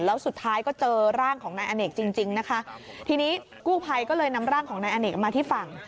แล้วสุดท้ายก็เจอร่างของนายอเนกจริงจริงนะคะทีนี้กู้ภัยก็เลยนำร่างของนายอเนกมาที่ฝั่ง